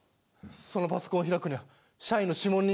そのパソコンを開くには社員の指紋認証が必要だ。